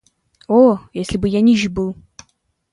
О, если б я нищ был!